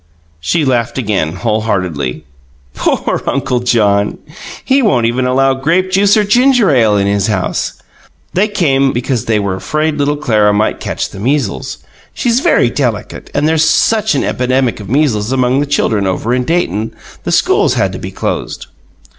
She laughed again, wholeheartedly. "Poor Uncle John! He won't even allow grape juice or ginger ale in his house. They came because they were afraid little Clara might catch the measles. She's very delicate, and there's such an epidemic of measles among the children over in Dayton the schools had to be closed.